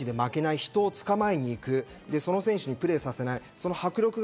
人を捕まえに行く、その選手にプレーさせない。